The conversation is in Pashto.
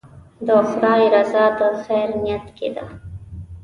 د خدای رضا د خیر نیت کې ده.